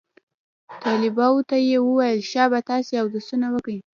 طلباو ته يې وويل شابه تاسې اودسونه وکئ.